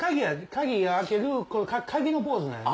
鍵開ける鍵のポーズなんや。